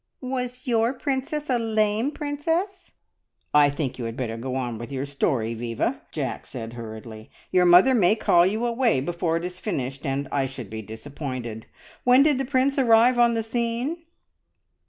"Was your princess a lame princess?" "I think you had better go on with your story, Viva!" Jack said hurriedly. "Your mother may call you away before it is finished, and I should be disappointed. When did the prince arrive on the scene?"